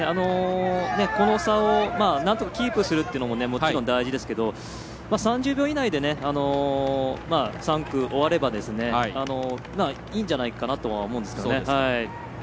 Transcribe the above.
この差をなんとかキープするというのももちろん大事ですけれども３０秒以内で、３区終わればいいんじゃないかなとは思うんですけどね。